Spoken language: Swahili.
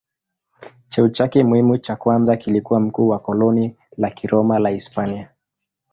Cheo chake muhimu cha kwanza kilikuwa mkuu wa koloni la Kiroma la Hispania.